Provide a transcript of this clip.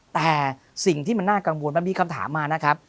แต่สิ่งที่มันน่ากังวลมันมีคำถามมานะครับ